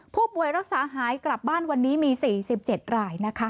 ผู้ป่วยรักษาหายกลับบ้านวันนี้มี๔๗รายนะคะ